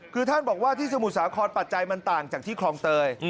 คือท่านบอกว่าที่สมุทรสาครปัจจัยมันต่างจากที่คลองเตย